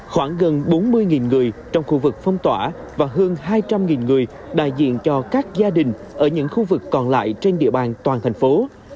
khoảng gần bốn mươi người trong khu vực phong tỏa và hơn hai trăm linh người đại diện cho các gia đình ở những khu vực còn lại trên địa bàn toàn thành phố